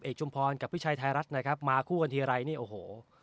ชุมพรกับพี่ชัยไทยรัฐนะครับมาคู่กันทีไรนี่โอ้โห